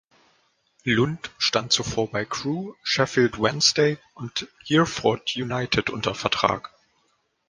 Lunt stand zuvor bei Crewe, Sheffield Wednesday und Hereford United unter Vertrag.